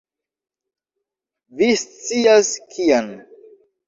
Vi scias, kian.